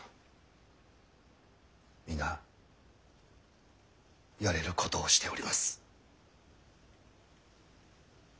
皆やれることをしております。